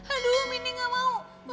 aduh mini gak mau